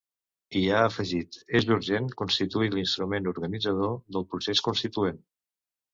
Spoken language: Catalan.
I ha afegit: És urgent constituir l’instrument organitzador del procés constituent.